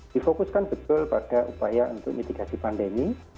difokuskan betul pada upaya untuk mitigasi pandemi